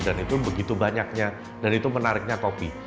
dan itu begitu banyaknya dan itu menariknya kopi